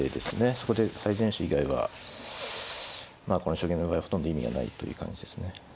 そこで最善手以外はまあこの将棋の場合はほとんど意味がないという感じですね。